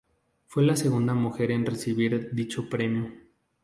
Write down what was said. Fue la segunda mujer en recibir dicho premio.